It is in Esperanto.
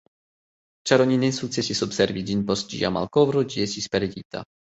Ĉar oni ne sukcesis observi ĝin post ĝia malkovro, ĝi estis perdita.